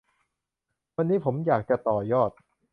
วันนี้ผมอยากจะต่อยอด